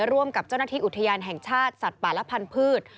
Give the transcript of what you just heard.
ร่วมกับเจ้าหน้าที่อุทยานแห่งชาติสัตว์ป่าและพันธุ์